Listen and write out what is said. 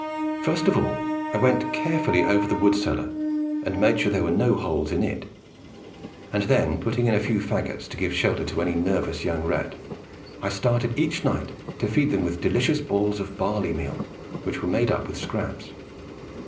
First of all I went carefully over the wood cellar and made sure there were no holes in it; and then, putting in a few faggots to give shelter to any nervous young rat, I started each night to feed them with delicious balls of barley meal, which were made up with scraps.